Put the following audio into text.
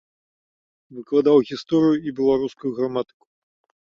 Выкладаў гісторыю і беларускую граматыку.